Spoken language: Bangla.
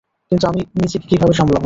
কিন্তু আমি নিজেকে কীভাবে সামলাবো।